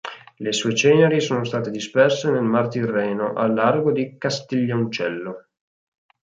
Le sue ceneri sono state disperse nel Mar Tirreno, al largo di Castiglioncello.